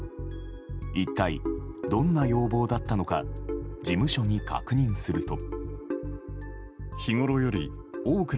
一体どんな要望だったのか事務所に確認すると。